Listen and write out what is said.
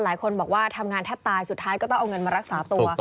หลายคนบอกว่าทำงานแทบตายสุดท้ายก็ต้องเอาเงินมารักษาตัว